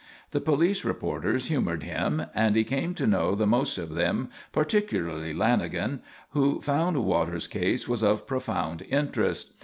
The police reporters humoured him and he came to know the most of them, particularly Lanagan, who found Waters' case was of profound interest.